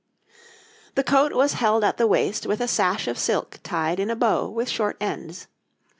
The coat was held at the waist with a sash of silk tied in a bow with short ends.